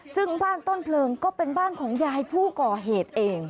ซึ่งบ้านต้นเพลิงก็เป็นบ้านของยายผู้ก่อเหตุเอง